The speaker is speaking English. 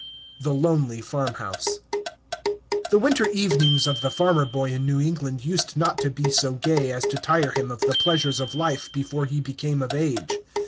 THE LONELY FARMHOUSE The winter evenings of the farmer boy in New England used not to be so gay as to tire him of the pleasures of life before he became of age.